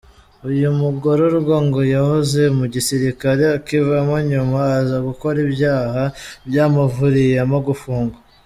Uyu mugororwa ngo yahoze mu gisirikare, akivamo, nyuma aza gukora ibyaha byamuviriyemo gufungwa.